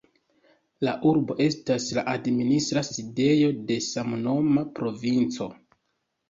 La urbo estas la administra sidejo de samnoma provinco.